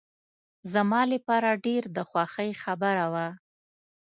زما لپاره ډېر د خوښۍ خبره وه.